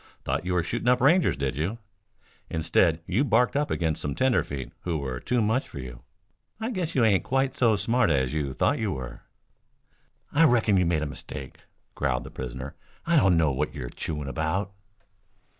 Thought you were shooting up Rangers, did you? Instead you barked up against some tenderfeet who were too much for you. I guess you ain't quite so smart as you thought you were." "I reckon you've made a mistake," growled the prisoner. "I don't know what you're chewing about."